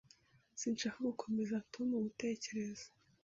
Sinshaka gukomeza Tom gutegereza.